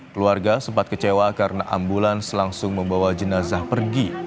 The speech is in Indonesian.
keluarga sempat kecewa karena ambulans langsung membawa jenazah pergi